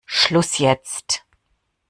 Schluss jetzt!